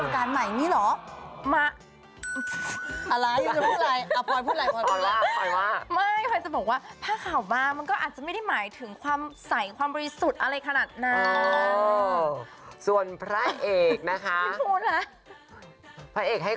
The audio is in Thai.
ผ้าโครงการใหม่นี่เหรอมะอะไรอยู่ทุกท่านไหน